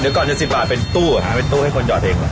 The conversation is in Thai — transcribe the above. เดี๋ยวก่อนจะ๑๐บาทเป็นตู้หาเป็นตู้ให้คนจอดเองก่อน